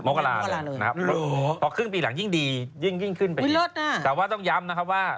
โมกราเลยนะครับเพราะครึ่งปีหลังยิ่งดียิ่งขึ้นไปดีแต่ว่าต้องย้ำนะครับว่า